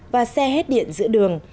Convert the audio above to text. và xe hết điện giữa đường